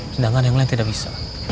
sedangkan yang lain tidak bisa